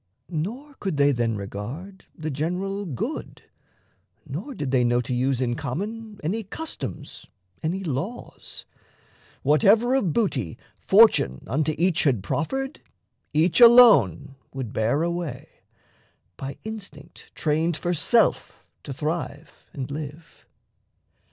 Nor could they then regard The general good, nor did they know to use In common any customs, any laws: Whatever of booty fortune unto each Had proffered, each alone would bear away, By instinct trained for self to thrive and live.